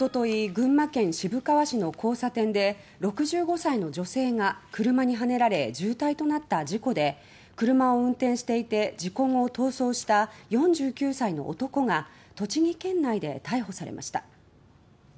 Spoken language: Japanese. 群馬県渋川市の交差点で６５歳の女性が車にはねられ重体となった事故で車を運転していて事故後逃走した４９歳の男が栃木県内で逮捕されました。